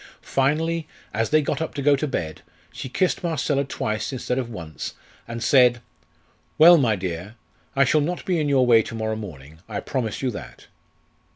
Finally, as they got up to go to bed, she kissed Marcella twice instead of once, and said: "Well, my dear, I shall not be in your way to morrow morning; I promise you that."